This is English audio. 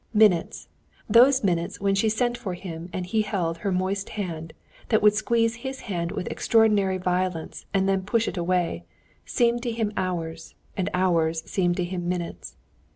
Minutes—those minutes when she sent for him and he held her moist hand, that would squeeze his hand with extraordinary violence and then push it away—seemed to him hours, and hours seemed to him minutes.